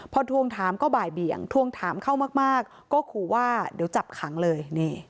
พอทวงถามก็บ่ายเบี่ยงทวงถามเข้ามากก็ขู่ว่าเดี๋ยวจับขังเลย